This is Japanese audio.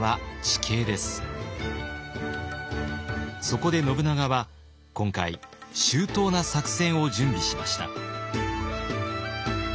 そこで信長は今回周到な作戦を準備しました。